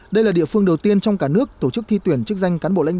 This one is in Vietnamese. đây là địa phương đầu tiên trong cả nước tổ chức thi tuyển chức danh cán bộ lãnh đạo